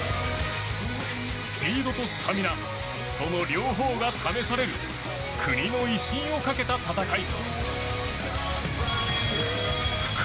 スピードとスタミナその両方が試される国の威信をかけた戦い。